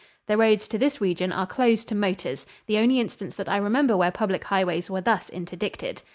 The roads to this region are closed to motors the only instance that I remember where public highways were thus interdicted.